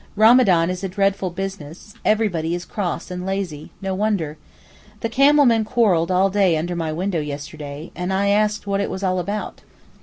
Ramadán is a dreadful business; everybody is cross and lazy—no wonder! The camel men quarrelled all day under my window yesterday, and I asked what it was all about.